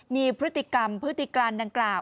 มีพฤติกรรมพฤติการดังกล่าว